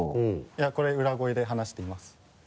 いやこれ裏声で話しています。